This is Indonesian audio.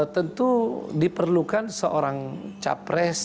tentu diperlukan seorang capres